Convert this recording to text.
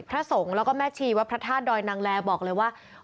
พระสงฆ์แล้วก็แม่ชีวัดพระธาตุดอยนางแลบอกเลยว่า